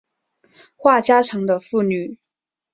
话家常的妇女